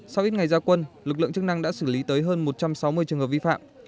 sau ít ngày gia quân lực lượng chức năng đã xử lý tới hơn một trăm sáu mươi trường hợp vi phạm